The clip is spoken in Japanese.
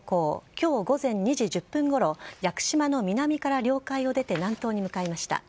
今日午前２時１０分ごろ屋久島の南から領海を出て南東に向かいました。